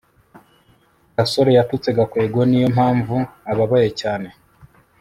gasore yatutse gakwego. niyo mpamvu ababaye cyane